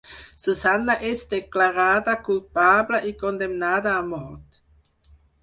Susanna és declarada culpable i condemnada a mort.